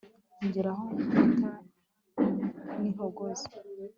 ngera aho nkwita n'ihogoza